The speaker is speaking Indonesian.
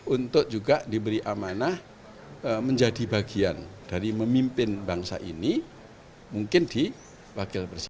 untuk juga diberi amanah menjadi bagian dari memimpin bangsa ini mungkin di wakil presiden